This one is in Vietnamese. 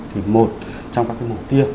thì một trong các cái mục tiêu